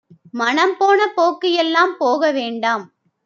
மனம்போன போக்கு எல்லாம் போக வேண்டாம்